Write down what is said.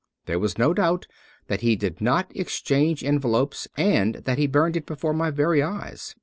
There was no doubt that he did not exchange envelopes and that he burned it before my very eyes.